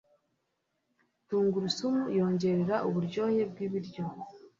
Tungurusumu yongerera uburyohe bwibiryo.